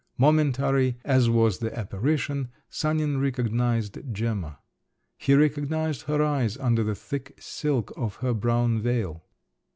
Momentary as was the apparition, Sanin recognised Gemma. He recognised her eyes under the thick silk of her brown veil.